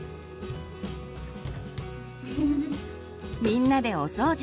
みんなでお掃除。